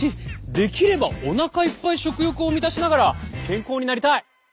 できればおなかいっぱい食欲を満たしながら健康になりたい。